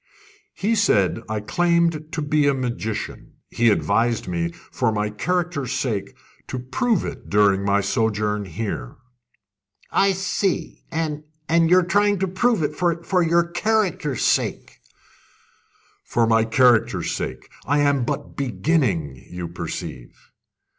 "He said I claimed to be a magician. He advised me, for my character's sake, to prove it during my sojourn here." "I see. And and you're trying to prove it for your character's sake?" "For my character's sake! I am but beginning, you perceive."